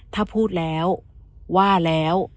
ถ้าพูดแล้วว่าแล้ว